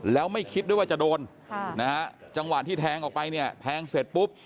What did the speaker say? แล้วไม่คิดด้วยว่าจะโดนจังหวะที่แทงออกไปเนี่ยแทงเสร็จปุ๊บ